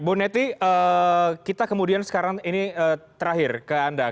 bu neti kita kemudian sekarang ini terakhir ke anda